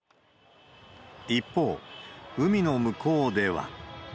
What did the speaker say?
一方、海の向こうでは。